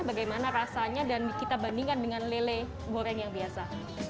bagaimana rasanya dan kita bandingkan dengan lele goreng yang biasa